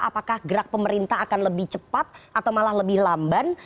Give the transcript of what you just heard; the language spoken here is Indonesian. apakah gerak pemerintah akan lebih cepat atau malah lebih lamban